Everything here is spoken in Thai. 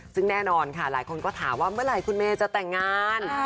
ซึ่งแน่นอนค่ะหลายคนก็ถามว่าเมื่อไหร่คุณเมย์จะแต่งงาน